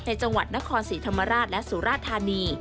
จังหวัดนครศรีธรรมราชและสุราธานี